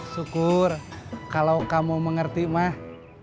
syukur kalau kamu mengerti mah